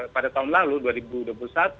pada tahun lalu ya itu kemudian di